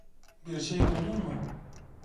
Bir şey buldun mu?